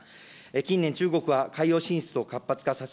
近年、中国は海洋進出を活発化させ、